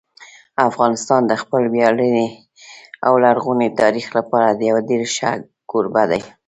افغانستان د خپل ویاړلي او لرغوني تاریخ لپاره یو ډېر ښه کوربه دی.